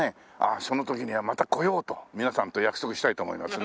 その時にはまた来ようと皆さんと約束したいと思いますね。